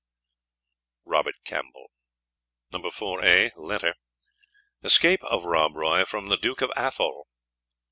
"Robert Campbell." No. IVa. LETTER. ESCAPE OF ROB ROY FROM THE DUKE OF ATHOLE.